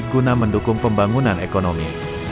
guna mendukung pembangunan ekonomi